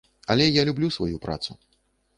Але я люблю сваю працу.